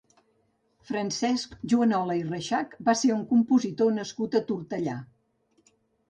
Francesc Juanola i Reixach va ser un compositor nascut a Tortellà.